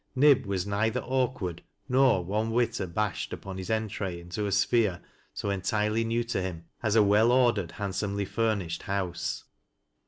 Nib was neither awkward nor one whit abashed upon his entree into a sphere so entirely new to him as a well ordered, handsomely furnished house.